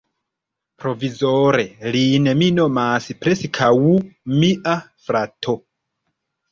Provizore, lin mi nomas preskaŭ mia frato.